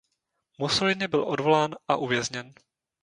Mussolini byl odvolán a uvězněn.